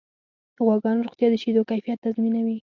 د غواګانو روغتیا د شیدو کیفیت تضمینوي.